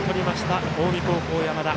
近江高校、山田。